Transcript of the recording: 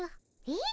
え？